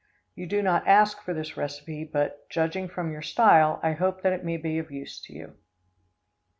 You do not ask for this recipe, but, judging from your style, I hope that it may be of use to you.